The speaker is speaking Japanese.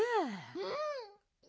うん。